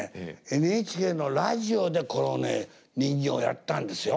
ＮＨＫのラジオでこの人形やったんですよ。